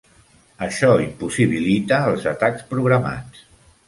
Això impossibilita els atacs programats.